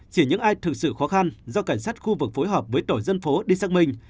chỉ những ai thực sự khó khăn do cảnh sát khu vực phối hợp với tổ dân phố đi xác minh